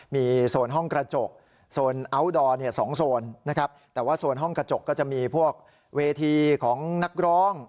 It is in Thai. มีโซนห้องกระจกโซนอัลดอร์๒โซนนะครับแต่ว่าโซนห้องกระจกก็จะมีพวกเวทีของนักร้อง